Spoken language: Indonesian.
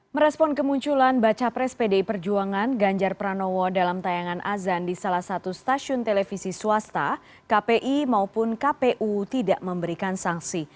merespon kemunculan baca pres pdi perjuangan ganjar pranowo dalam tayangan azan di salah satu stasiun televisi swasta kpi maupun kpu tidak memberikan sanksi